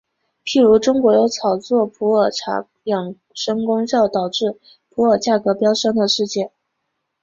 譬如中国有炒作普洱茶养生功效导致普洱价格飙升的事件。